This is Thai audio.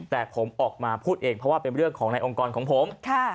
แต่ผมออกมาพูดเองเพราะว่าเป็นเรื่องของในองค์กรของผม